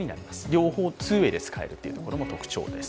両方、ツーウェイで使えるところも特徴です。